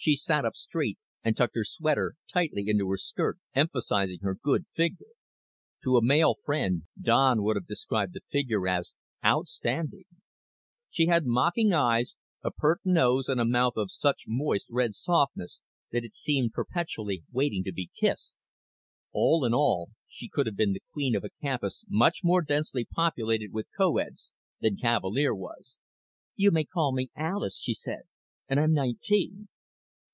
She sat up straight and tucked her sweater tightly into her skirt, emphasizing her good figure. To a male friend Don would have described the figure as outstanding. She had mocking eyes, a pert nose and a mouth of such moist red softness that it seemed perpetually waiting to be kissed. All in all she could have been the queen of a campus much more densely populated with co eds than Cavalier was. "You may call me Alis," she said. "And I'm nineteen."